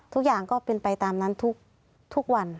ทุกอย่างก็เป็นไปตามนั้นทุกวัน